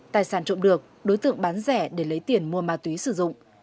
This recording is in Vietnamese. tài sản trộm được đối tượng bán rẻ để lấy tiền mua ma túy sử dụng